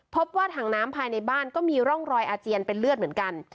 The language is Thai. พบว่าถังน้ำภายในบ้านก็มีร่องรอยอาเจียนเป็นเลือดเหมือนกัน